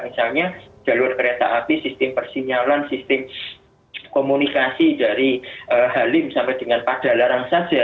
misalnya jalur kereta api sistem persinyalan sistem komunikasi dari halim sampai dengan padalarang saja